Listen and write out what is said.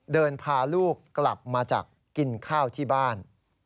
เดินพาลูกกลับมาจากกินข้าวที่บ้าน